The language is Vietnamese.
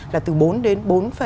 là từ bốn đến bốn năm